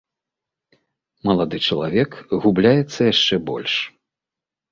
Малады чалавек губляецца яшчэ больш.